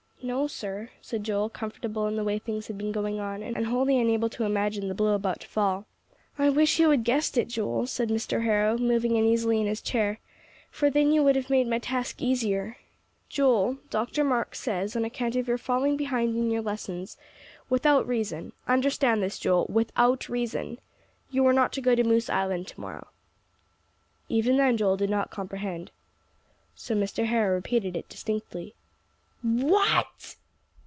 "No, sir," said Joel, comfortable in the way things had been going on, and wholly unable to imagine the blow about to fall. "I wish you had guessed it, Joel," said Mr. Harrow, moving uneasily in his chair, "for then you would have made my task easier. Joel, Dr. Marks says, on account of your falling behind in your lessons, without reason understand this, Joel, without reason you are not to go to Moose Island to morrow." Even then Joel did not comprehend. So Mr. Harrow repeated it distinctly. "_What!